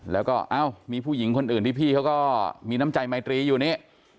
แล้วก็เอ้ามีผู้หญิงคนอื่นที่พี่เขาก็มีน้ำใจไมตรีอยู่นี่